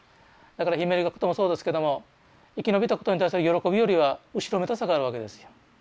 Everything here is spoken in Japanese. だからひめゆり学徒もそうですけども生き延びたことに対する喜びよりは後ろめたさがあるわけですよ。